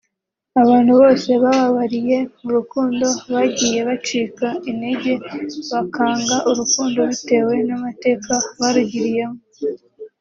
Abantu bose bababariye mu rukundo bagiye bacika intege bakanga urukundo bitewe n’amateka barugiriyemo